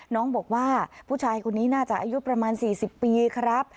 น้องบอกว่าผู้ชายคนนี้น่าจะอายุประมาณ๔๐ปีครับ